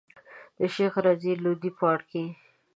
د شيخ رضی لودي پاړکی.